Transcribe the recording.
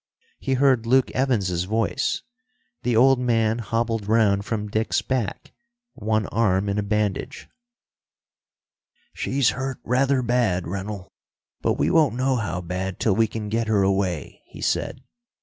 He heard Luke Evans's voice. The old man hobbled round from Dick's back, one arm in a bandage. "She's hurt rather bad, Rennell, but we won't know how bad till we can get her away," he said.